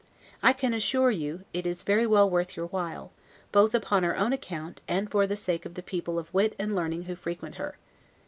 I can assure you, it is very well worth your while, both upon her own account, and for the sake of the people of wit and learning who frequent her.